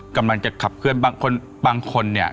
กำลังจะขับเคลื่อนบางคนบางคนเนี่ย